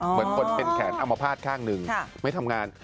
เหมือนคนเป็นแขนอัมพาตข้างหนึ่งไม่ทำงาน